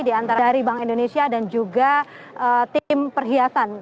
di antara dari bank indonesia dan juga tim perhiasan